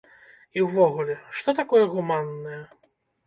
І ўвогуле, што такое гуманнае?